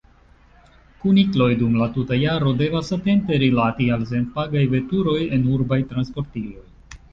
Kunikloj dum la tuta jaro devas atente rilati al senpagaj veturoj en urbaj transportiloj.